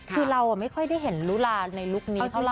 คือเราไม่ค่อยได้เห็นลุลาในลุคนี้เท่าไห